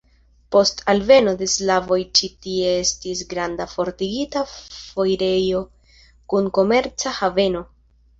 Post alveno de slavoj ĉi tie estis granda fortikigita foirejo kun komerca haveno.